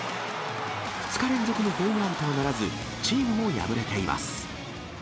２日連続のホームランとはならず、チームも敗れています。